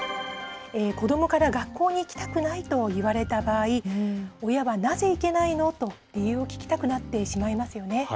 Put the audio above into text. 子どもから学校に行きたくないと言われた場合、親はなぜ行けないの？と理由を聞きたくなってしまいますよね。